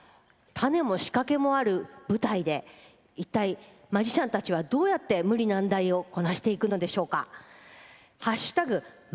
タネも仕掛けもある舞台で一体、マジシャンたちはどうやって無理難題をこなしていくのでしょうか。